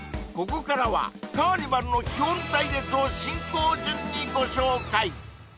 ここからはカーニバルの基本隊列を進行順にご紹介！